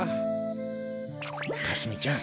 かすみちゃん